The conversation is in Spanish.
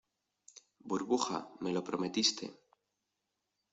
burbuja, me lo prometiste.